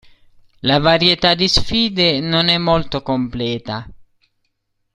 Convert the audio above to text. La varietà di sfide non è molto completa.